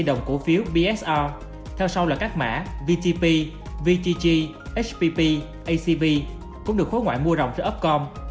đồng cổ phiếu bsr theo sau là các mã vtp vgg hpp acv cũng được khối ngoại mua rồng từ upcom